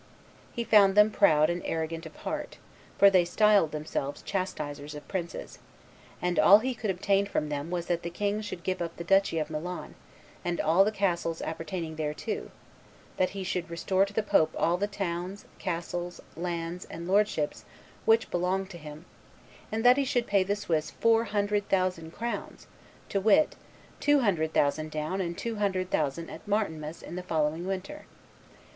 He found them proud and arrogant of heart, for they styled themselves chastisers of princes," and all he could obtain from them was "that the king should give up the duchy of Milan and all the castles appertaining thereto, that he should restore to the pope all the towns, castles, lands, and lordships which belonged to him, and that he should pay the Swiss four hundred thousand crowns, to wit, two hundred thousand down and two hundred thousand at Martinmas in the following winter."